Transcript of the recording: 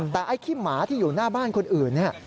แต่ไอ้ขี้หมาที่อยู่หน้าบ้านคนอื่นเนี่ย